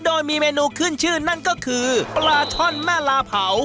โดยมีเมนูขึ้นชื่อนั่นก็คือปลาช่อนแม่ลาเผา